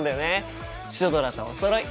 シュドラとおそろい！